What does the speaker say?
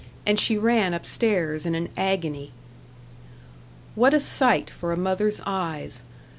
And she ran up stairs in an agony. What a sight for a mother's eyes.